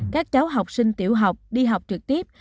các cháu học sinh tiểu học đi học trực tiếp